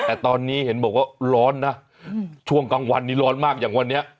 แต่ตอนนี้เห็นบอกว่าร้อนนะช่วงกลางวันนี้ร้อนมากอย่างวันนี้